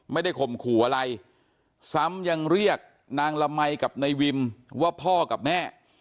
ข่มขู่อะไรซ้ำยังเรียกนางละมัยกับนายวิมว่าพ่อกับแม่